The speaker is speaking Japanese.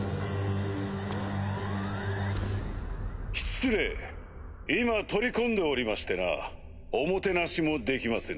失礼今取り込んでおりましてなおもてなしもできませぬ。